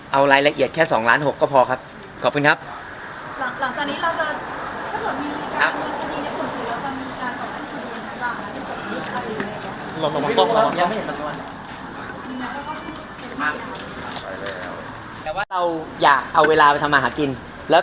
เอารายละเอียดแค่๒ล้านหกก็พอครับขอบคุณครับ